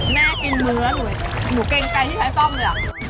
แม่เก็นเมื้อหนูเก็นไก่ที่ไทยฟ่องดูหรอก